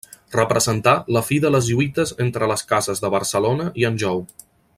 Representà la fi de les lluites entre les cases de Barcelona i Anjou.